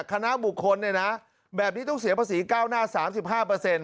คณะบุคคลเนี่ยนะแบบนี้ต้องเสียภาษีเก้าหน้าสามสิบห้าเปอร์เซ็นต์